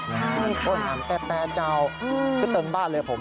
ใช่ค่ะฮูยงามแต๊ะเจ้าเกื้อเติงบ้านเลยผม